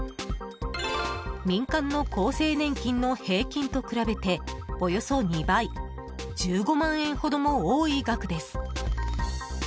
民間の厚生年金の平均と比べておよそ２倍１５万円ほども多い額です。